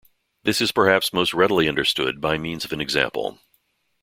This is perhaps most readily understood by means of an example.